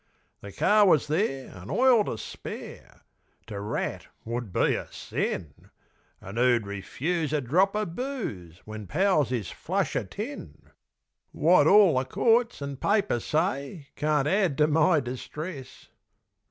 The car was there an' oil to spare. To rat would be a sin! An' who'd refuse a drop o' booze When pals is flush o' tin? Wot all the courts an' papers say Can't add to my distress....